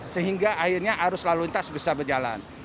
sehingga akhirnya arus lalu lintas bisa berjalan